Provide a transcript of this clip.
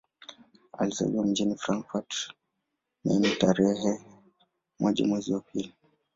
Alizaliwa mjini Frankfurt am Main tarehe moja mwezi wa pili